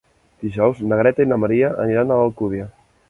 Dijous na Greta i en Maria aniran a l'Alcúdia.